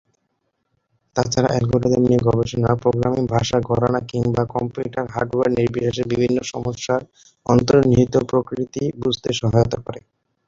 তাছাড়া অ্যালগোরিদম নিয়ে গবেষণা প্রোগ্রামিং ভাষা, ঘরানা, কিংবা কম্পিউটার হার্ডওয়্যার নির্বিশেষে বিভিন্ন সমস্যার অন্তর্নিহিত প্রকৃতি বুঝতে সহায়তা করে।